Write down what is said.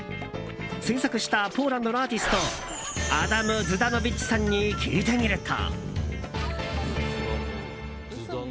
製作したポーランドのアーティストアダム・ズダノビッチさんに聞いてみると。